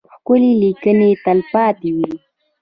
ښې لیکنې تلپاتې وي.